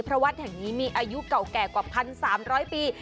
เพราะวัดแห่งนี้มีอายุเก่าแก่กว่า๑๓๐๐ปี